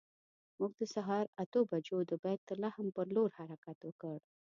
موږ د سهار اتو بجو د بیت لحم پر لور حرکت وکړ.